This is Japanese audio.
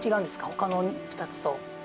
他の２つと。